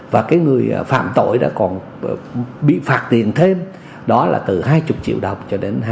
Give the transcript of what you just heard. và cái người phạm tội đã còn bị phạt tiền thêm đó là từ hai mươi triệu đồng cho đến hai mươi